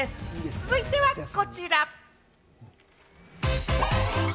続いてはこちら。